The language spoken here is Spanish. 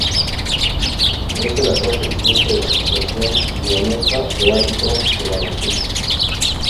Es el actual presidente de la Asociación Leonesa de Árbitros de Baloncesto.